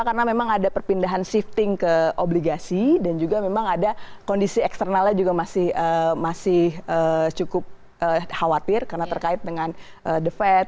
karena memang ada perpindahan shifting ke obligasi dan juga memang ada kondisi eksternalnya juga masih cukup khawatir karena terkait dengan the fed